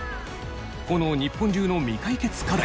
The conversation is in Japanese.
この日本中の未解決課題